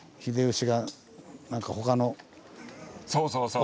そうそうそう！